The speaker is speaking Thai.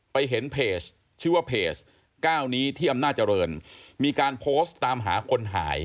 เห็นเพจชื่อว่าเพจ๙นี้ที่อำนาจเจริญมีการโพสต์ตามหาคนหาย